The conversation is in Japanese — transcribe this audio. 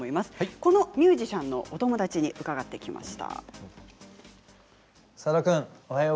このミュージシャンのお友達に伺ってきました。